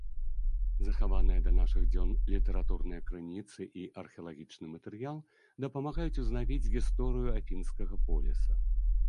Захаваныя да нашых дзён літаратурныя крыніцы і археалагічны матэрыял дапамагаюць узнавіць гісторыю афінскага поліса.